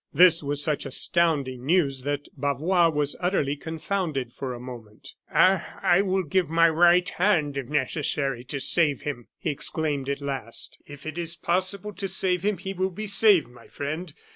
This was such astounding news that Bavois was utterly confounded for a moment. "Ah! I will give my right hand, if necessary, to save him!" he exclaimed, at last. "If it is possible to save him, he will be saved, my friend.